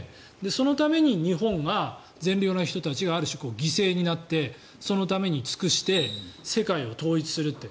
そのために日本が善良な人たちがある種、犠牲になってそのために尽くして世界を統一するって。